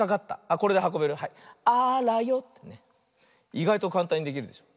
いがいとかんたんにできるでしょ。